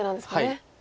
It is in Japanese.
はい。